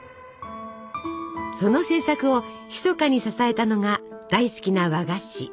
その制作を秘かに支えたのが大好きな和菓子